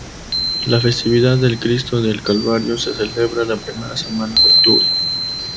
La festividad del Cristo del Calvario se celebra la primera semana de octubre.